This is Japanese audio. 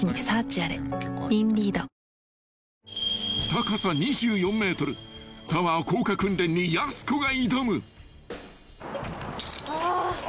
［高さ２４ｍタワー降下訓練にやす子が挑む］